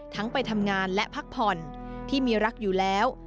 ไปทำงานและพักผ่อนที่มีรักอยู่แล้ว